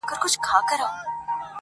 زه چي ګورمه موږ هم یو ځان وهلي،